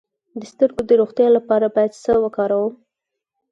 د سترګو د روغتیا لپاره باید څه وکاروم؟